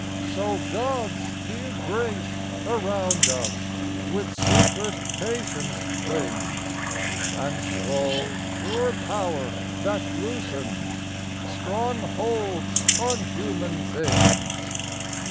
So God's dear grace around us With secret patience clings, And slow, sure power, that loosens Strong holds on human things.